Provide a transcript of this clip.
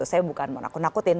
saya bukan mau nakutin